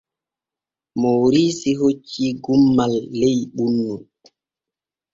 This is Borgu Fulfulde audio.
Mooriisi hoccii gummal ley ɓunnu.